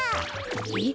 えっ？